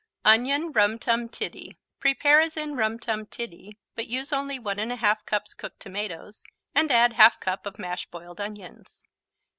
Onion Rum Tum Tiddy Prepare as in Rum Tum Tiddy, but use only 1 1/2 cups cooked tomatoes and add 1/2 cup of mashed boiled onions.